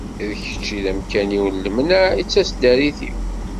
D kečč i d amkan-iw n lemneɛ, i d taseddarit-iw.